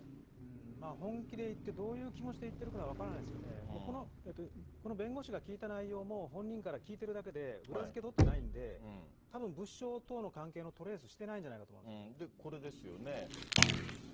本気で言って、どういう気持ちで言ってるかは分からないですよね、この弁護士が聞いた内容も本人から言っているだけで、裏付け取ってないんで、たぶん、物証等の関係も、とりあえずしてないんじゃこれですよね。